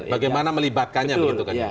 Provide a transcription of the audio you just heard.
bagaimana melibatkannya begitu kan